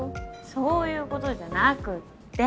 そういうことじゃなくって。